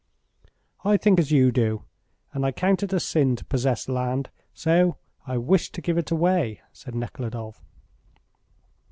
"I think as you do, and I count it a sin to possess land, so I wish to give it away," said Nekhludoff.